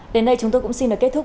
đến đây chúng tôi cũng xin kết thúc